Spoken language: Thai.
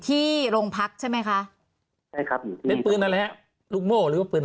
ที่โรงพักใช่ไหมคะใช่ครับเป็นปืนอะไรฮะลูกโม่หรือว่าปืน